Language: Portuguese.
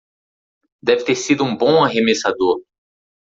Deve ter sido um bom arremessador.